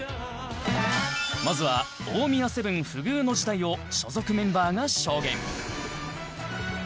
まずは大宮セブン不遇の時代を所属メンバーが証言